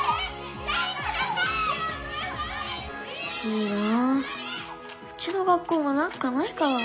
いいなうちの学校もなんかないかな。